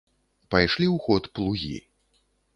Пайшлі ў ход плугі.